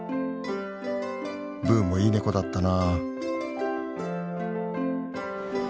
ブーもいいネコだったな。